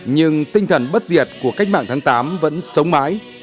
nhưng tinh thần bất diệt của cách mạng tháng tám vẫn sống mãi